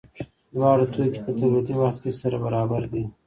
دواړه توکي په تولیدي وخت کې سره برابر دي.